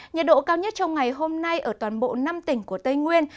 nhiệt độ cao nhất trong ngày hôm nay ở toàn bộ năm tỉnh của tây nguyên